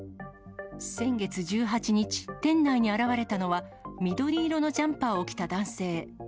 先月１８日、店内に現れたのは、緑色のジャンパーを着た男性。